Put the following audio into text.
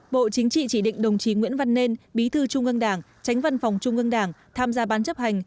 bộ chính trị chỉ định đồng chí nguyễn văn nên bí thư trung ương đảng tránh văn phòng trung ương đảng tham gia bán chấp hành